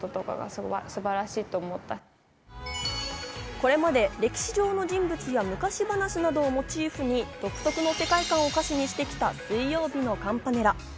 これまで歴史上の人物や昔話などをモチーフに独特の世界観を歌詞にしてきた水曜日のカンパネラ。